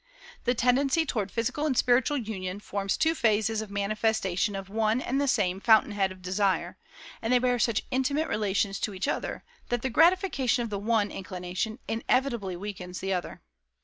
"The tendency toward physical and spiritual union forms two phases of manifestation of one and the same fountain head of desire, and they bear such intimate relations to each other that the gratification of the one inclination inevitably weakens the other.